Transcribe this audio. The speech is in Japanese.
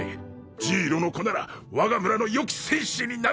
ジイロの子なら我が村のよき戦士になる！